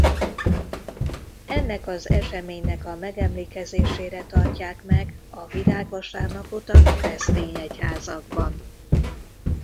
Ennek az eseménynek a megemlékezésére tartják meg a virágvasárnapot a keresztény egyházakban.